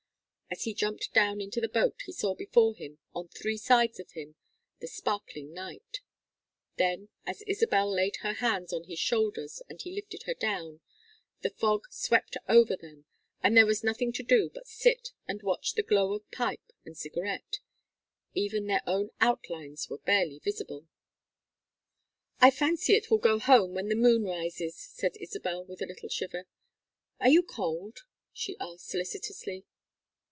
As he jumped down into the boat he saw before him, on three sides of him, the sparkling night. Then as Isabel laid her hands on his shoulders and he lifted her down, the fog swept over them, and there was nothing to do but sit and watch the glow of pipe and cigarette; even their own outlines were barely visible. "I fancy it will go home when the moon rises," said Isabel, with a little shiver. "Are you cold?" she asked, solicitously.